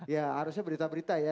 ya harusnya berita berita ya